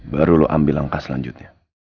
baru lo ambil langkah selanjutnya